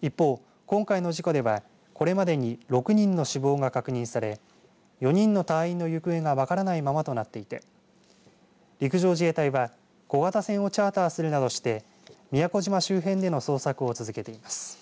一方、今回の事故ではこれまでに６人の死亡が確認され４人の隊員の行方が分からないままとなっていて陸上自衛隊は小型船をチャーターするなどして宮古島周辺での捜索を続けています。